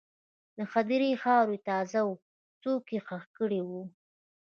د هدیرې خاوره تازه وه، څوک یې ښخ کړي وو.